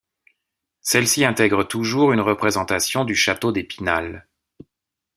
Celle-ci intègre toujours une représentation du château d'Épinal.